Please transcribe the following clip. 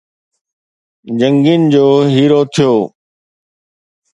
جنگين جو هيرو ٿيو